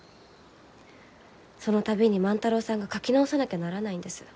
その度に万太郎さんが描き直さなきゃならないんです。